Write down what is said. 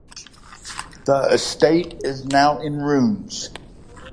The estate is now in ruins.